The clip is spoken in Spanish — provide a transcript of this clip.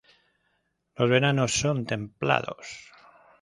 Los veranos son templados.